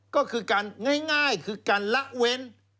ก็คือการง่ายคือการละเว้น